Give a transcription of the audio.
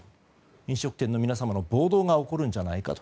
飲食店の皆様の暴動が起こるんじゃないかと。